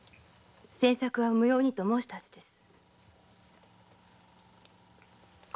詮索は無用にと申したはずです。